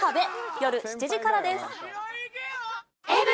夜７時からです。